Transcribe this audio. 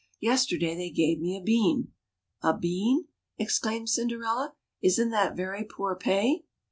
Yesterday they gave me a bean." " A bean !" exclaimed Cinderella. " Isn't that very poor pay